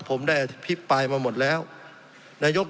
สงบจนจะตายหมดแล้วครับ